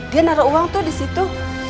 dia naro uang tuh disitu